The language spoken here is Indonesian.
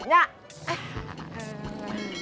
be cart car datang diri